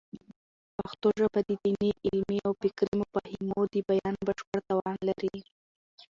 پښتو ژبه د دیني، علمي او فکري مفاهیمو د بیان بشپړ توان لري.